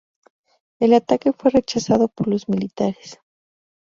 El ataque fue rechazado por los militares.